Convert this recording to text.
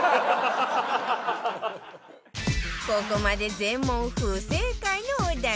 ここまで全問不正解の織田さん